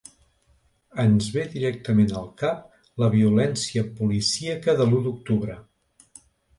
Ens ve directament al cap la violència policíaca de l’u d’octubre.